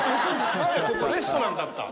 前ここレストランだった？